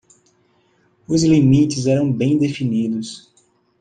Os limites eram bem definidos.